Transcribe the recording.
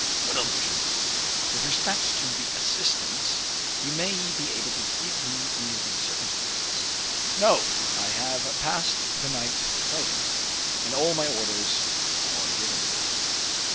"What illusions?" "With respect to the assistance you may be able to give me under these circumstances." "No; I have passed the night writing, and all my orders are given."